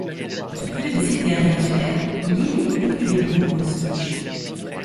Depuis le décès du dernier insulaire, l'île est ponctuée de nombreuses friches.